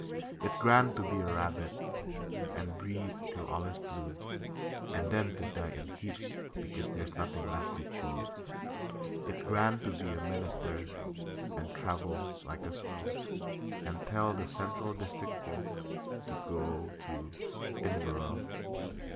It's grand to be a rabbit And breed till all is blue, And then to die in heaps because There's nothing left to chew. It's grand to be a Minister And travel like a swell, And tell the Central District folk To go to Inverell.